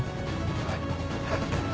はい。